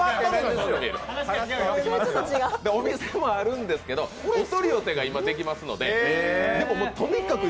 お店もあるんですけどお取り寄せが今できるのでとにかく